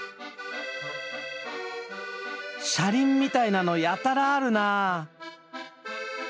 車輪みたいなのやたらあるな。